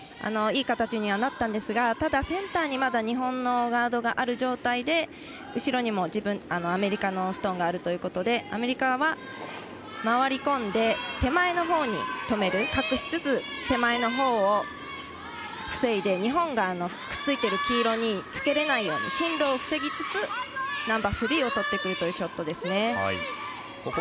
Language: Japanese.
ティーラインよりも奥にいったのはいい形にはなったんですがただ、センターにまだ日本のガードがある状態で後ろにも、アメリカのストーンがあるということでアメリカは回り込んで手前のほうに止める、隠しつつ手前のほうを防いで日本がくっついている黄色につけられないように進路を防ぎつつナンバースリーをとってくるというショットですね。